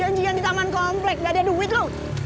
janjian di taman komplek gak ada duit lo